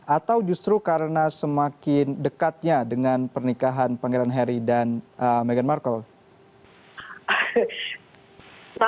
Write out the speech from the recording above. atau justru karena semakin dekatnya dengan pernikahan pangeran harry dan meghan markle